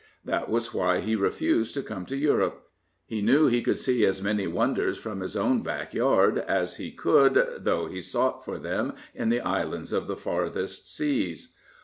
That was why he refused to come to Europe. He knew he could see as many wonders from his own backyard as he could though he sought for them in the islands of the farthest seas.